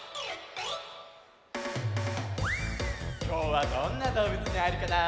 きょうはどんなどうぶつにあえるかな？